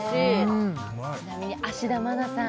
ちなみに芦田愛菜さん